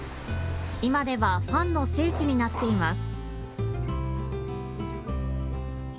今ではファンの聖地になっています。